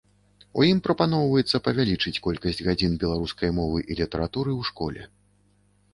У ім прапаноўваецца павялічыць колькасць гадзін беларускай мовы і літаратуры ў школе.